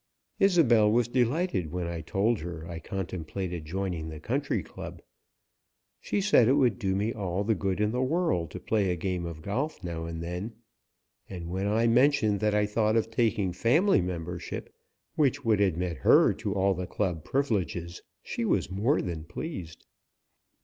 Isobel was delighted when I told her I contemplated joining the Country Club. She said it would do me all the good in the world to play a game of golf now and then, and when I mentioned that I thought of taking family membership, which would admit her to all the club privileges, she was more than pleased.